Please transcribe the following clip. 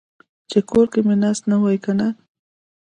چې کور کې مې ناست نه وای کنه.